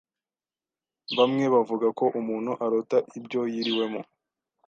Bamwe bavuga ko umuntu arota ibyo yiriwemo